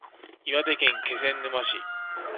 岩手県気仙沼市